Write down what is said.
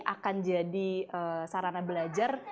akan jadi sarana belajar